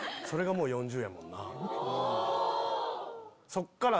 そっから。